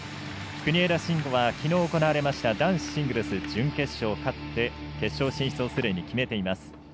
国枝慎吾はきのう行われました男子シングルス準決勝を勝って決勝進出をすでに決めています。